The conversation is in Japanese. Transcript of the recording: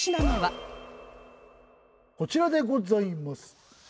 こちらでございます。